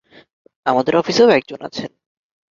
আমাদের অফিসেও একজন আছেন।